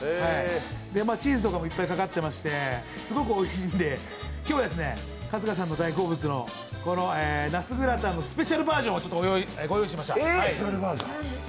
チーズとかもいっぱいかかってまして、すごくおいしいので、今日は春日さんの大好物のなすグラタンのスペシャルバージョンをご用意しました。